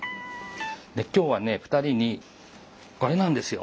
今日はね２人にこれなんですよ。